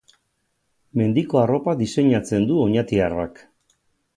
Mendiko arropa diseinatzen du oñatiarrak.